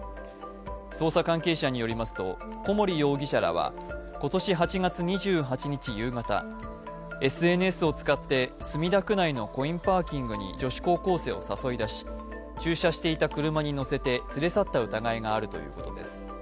捜査関係者によりますと、小森容疑者らは今年８月２２日夕方、ＳＮＳを使って墨田区内のコインパーキングに女子高校生を誘い出し、駐車していた車に乗せて連れ去った疑いがあるということです。